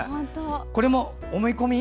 これも思い込み？